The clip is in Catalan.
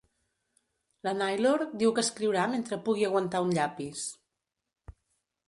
La Naylor diu que escriurà mentre pugui aguantar un llapis.